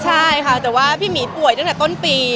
ใช่ค่ะแต่ว่าพี่หมีป่วยตั้งแต่ต้นปี